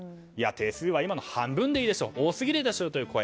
定数は今の半分でいいでしょ多すぎるでしょうという声。